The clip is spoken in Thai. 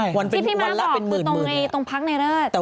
ใช่ที่พี่ม้าบอกคือตรงไหนตรงพักในเลิศวันละเป็นหมื่น